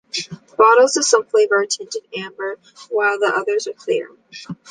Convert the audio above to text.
The bottles of some flavors are tinted amber, while the others are clear.